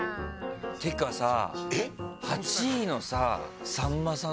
てかさ８位のささんまさん